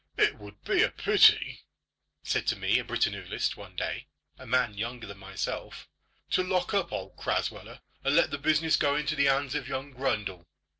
"It would be a pity," said to me a Britannulist one day, a man younger than myself, "to lock up old Crasweller, and let the business go into the hands of young Grundle.